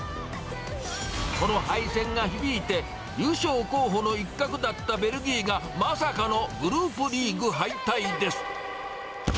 この敗戦が響いて、優勝候補の一角だったベルギーが、まさかのグループリーグ敗退です。